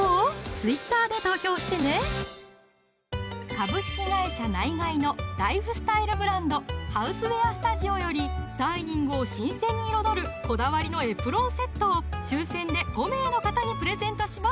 Ｔｗｉｔｔｅｒで投票してねナイガイのライフスタイルブランド「ＨＯＵＳＥＷＥＡＲＳＴＵＤＩＯ」よりダイニングを新鮮に彩るこだわりのエプロンセットを抽選で５名の方にプレゼントします